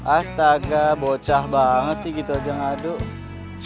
astaga bocah banget sih gitu aja ngaduk